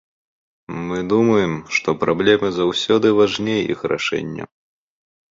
Мы думаем, што праблемы заўсёды важней іх рашэння.